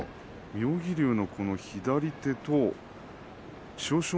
妙義龍の左手と千代翔